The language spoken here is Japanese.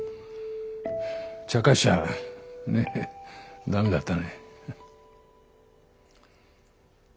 ちゃかしちゃね駄目だったね。